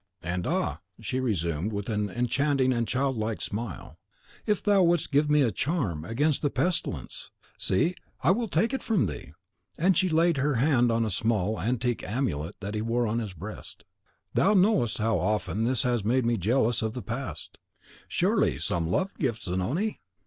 "And ah!" she resumed, with an enchanting and child like smile, "if thou wouldst give me a charm against the pestilence! see, I will take it from thee." And she laid her hand on a small, antique amulet that he wore on his breast. "Thou knowest how often this has made me jealous of the past; surely some love gift, Zanoni?